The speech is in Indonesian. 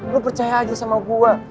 gue percaya aja sama gue